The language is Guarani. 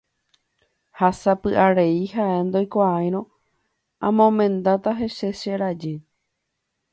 Ha sapy'arei ha'e ndoikuaairõ amomendáta hese che rajy.